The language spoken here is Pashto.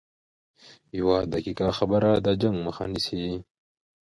یوه دقیقه خبره د جنګ مخه نیسي